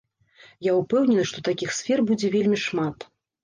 Я ўпэўнены, што такіх сфер будзе вельмі шмат.